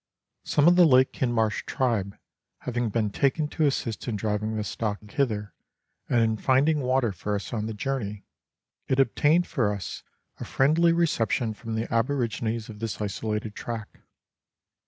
Some of the Lake Hindmarsh tribe having been taken to assist in driving the stock thither, and in finding water for us on the journey, it obtained for us a friendly reception from the aborigines of this isolated tract.